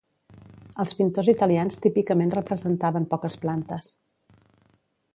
Els pintors italians típicament representaven poques plantes.